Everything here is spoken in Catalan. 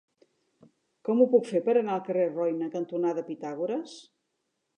Com ho puc fer per anar al carrer Roine cantonada Pitàgores?